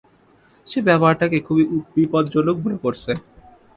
সে ব্যাপারটাকে খুবই বিপজ্জনক মনে করছে।